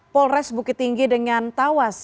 polres bukit tinggi dengan tawas